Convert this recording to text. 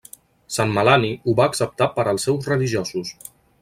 Sant Melani ho va acceptar per als seus religiosos.